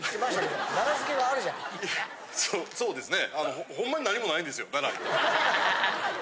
そうですね。